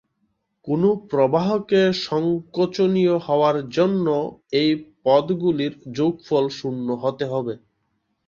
কোনও প্রবাহকে সংকোচনীয় হওয়ার জন্য এই পদগুলির যোগফল শূন্য হতে হবে।